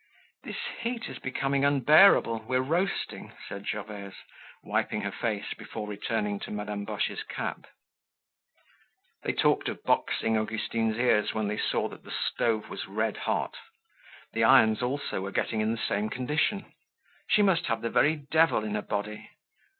"This heat is becoming unbearable, we're roasting," said Gervaise, wiping her face before returning to Madame Boche's cap. They talked of boxing Augustine's ears when they saw that the stove was red hot. The irons, also, were getting in the same condition. She must have the very devil in her body!